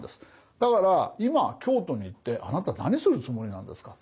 だから「今京都に行ってあなた何するつもりなんですか？